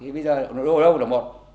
thì bây giờ nội đô ở đâu đồng một